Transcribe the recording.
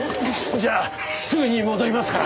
じゃあすぐに戻りますから！